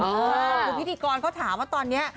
คือพิธีกรเขาถามว่าตอนนี้